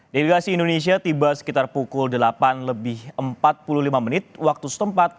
delegasi indonesia tiba sekitar pukul delapan lebih empat puluh lima menit waktu setempat